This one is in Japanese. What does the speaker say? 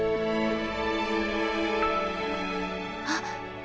あっ。